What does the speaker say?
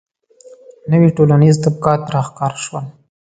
• نوي ټولنیز طبقات راښکاره شول.